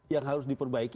yang harus diperbaiki